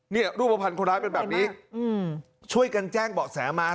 รูปภัณฑ์คนร้ายเป็นแบบนี้ช่วยกันแจ้งเบาะแสมา